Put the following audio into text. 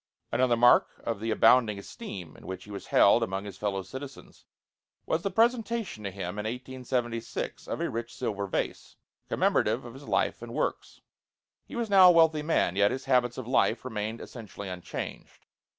Another mark of the abounding esteem in which he was held among his fellow citizens was the presentation to him in 1876 of a rich silver vase, commemorative of his life and works. He was now a wealthy man; yet his habits of life remained essentially unchanged.